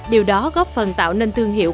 điều đó góp phần tạo nên thương hiệu